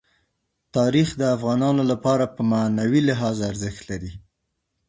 تاریخ د افغانانو لپاره په معنوي لحاظ ارزښت لري.